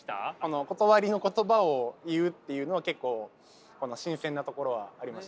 断りの言葉を言うっていうのは結構新鮮なところはありましたね。